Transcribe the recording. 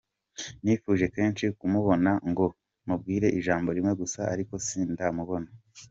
Nifuje kenshi kumubona ngo mubwire ijambo rimwe gusa ariko sindamubona.